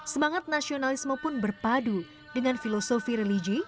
semangat nasionalisme pun berpadu dengan filosofi religi